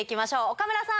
岡村さん。